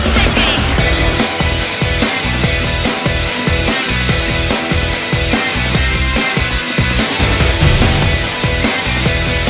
มันเป็นบุรกิจเทอดกัวร์